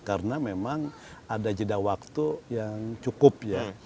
karena memang ada jeda waktu yang cukup ya